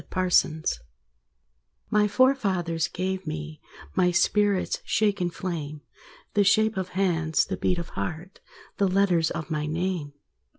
Driftwood My forefathers gave me My spirit's shaken flame, The shape of hands, the beat of heart, The letters of my name.